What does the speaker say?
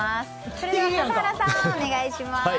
それでは笠原さん、お願いします。